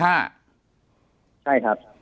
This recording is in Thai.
ใช่ครับ